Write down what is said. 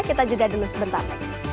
kita juga dulu sebentar